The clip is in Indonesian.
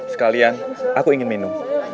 sekalian aku ingin minum